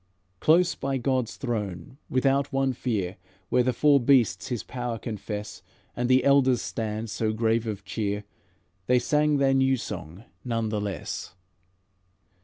Close by God's throne, without one fear, Where the four beasts His power confess, And the elders stand so grave of cheer, They sang their new song, none the less."